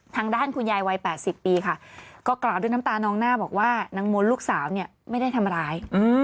ทางด้านคุณยายวัย๘๐ปีค่ะก็กล่าวด้วยน้ำตานองหน้าบอกว่านางมนต์ลูกสาวเนี่ยไม่ได้ทำร้าย